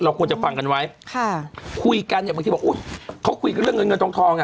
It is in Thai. ควรจะฟังกันไว้ค่ะคุยกันเนี่ยบางทีบอกอุ้ยเขาคุยกันเรื่องเงินเงินทองทองอ่ะ